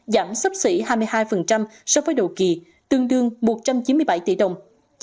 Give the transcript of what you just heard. giảm sắp xỉ hai mươi hai so với đầu kỳ tương đương một trăm chín mươi bảy tỷ đồng